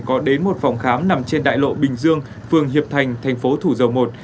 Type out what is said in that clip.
có đến một phòng khám nằm trên đại lộ bình dương phường hiệp thành thành phố thủ dầu một